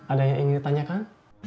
ada yang ingin ditanyakan